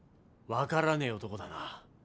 分からねえ男だな。